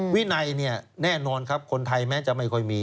วินัยเนี่ยแน่นอนครับคนไทยแม้จะไม่ค่อยมี